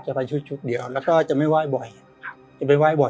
แล้วก็จะไม่ว่ายบ่อย